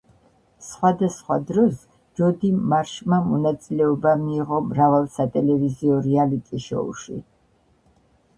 სხვადასხვა დროს ჯოდი მარშმა მონაწილეობა მიიღო მრავალ სატელევიზიო რეალიტი-შოუში.